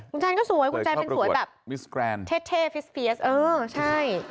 คุณแจนก็สวยคุณแจนเป็นสวยแบบเท่ฟีสเออใช่